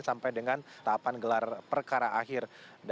sampai dengan tahapan gelar perkara akhir